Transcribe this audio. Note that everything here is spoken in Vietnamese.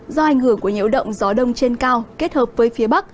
do ảnh hưởng của nhiễu động gió đông trên cao kết hợp với phía bắc